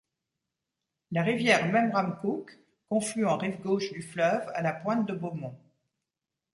La rivière Memramcook conflue en rive gauche du fleuve à la pointe de Beaumont.